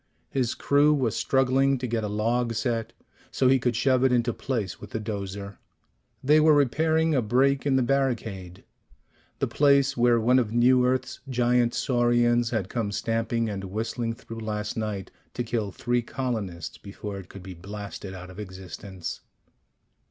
His crew was struggling to get a log set so he could shove it into place with the 'dozer. They were repairing a break in the barricade the place where one of New Earth's giant saurians had come stamping and whistling through last night to kill three colonists before it could be blasted out of existence.